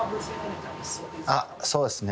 あっそうですね